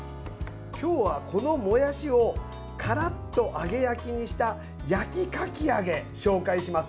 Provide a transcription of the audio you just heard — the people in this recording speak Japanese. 今日は、このもやしをカラッと揚げ焼きにした焼きかき揚げ、紹介します。